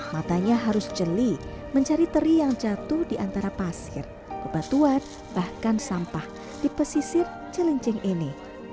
matanya harus jeli mencari teri yang jatuh di antara pasir bebatuan bahkan sampah di pesisir cilincing ini